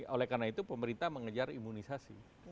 oleh karena itu pemerintah mengejar imunisasi